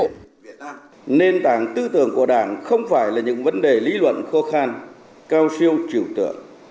tuy nhiên nền tảng tư tưởng của đảng không phải là những vấn đề lý luận khô khan cao siêu triều tượng